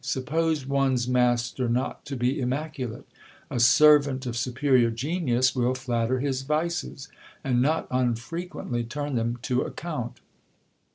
Suppose one's master not to be immaculate? A sen ant of superior genius will Hatter his vices, and not unfrequently turn them to account.